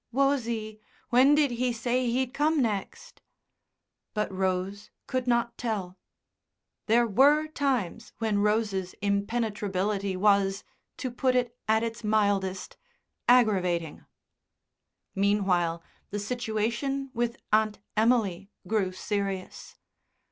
"Wosie, when did he say he'd come next?" But Rose could not tell. There were times when Rose's impenetrability was, to put it at its mildest, aggravating. Meanwhile, the situation with Aunt Emily grew serious.